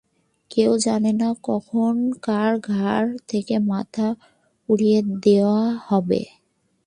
কেউ জানে না, কখন কার ঘাড় থেকে মাথা উড়িয়ে দেওয়া হবে।